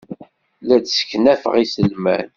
La d-sseknafeɣ iselman.